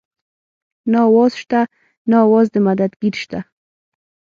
نه اواز شته نه اواز د مدد ګير شته